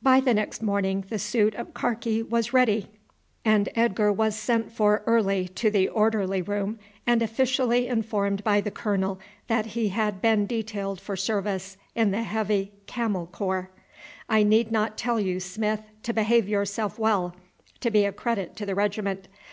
By the next morning the suit of karkee was ready, and Edgar was sent for early to the orderly room and officially informed by the colonel that he had been detailed for service in the Heavy Camel Corps. "I need not tell you, Smith, to behave yourself well to be a credit to the regiment.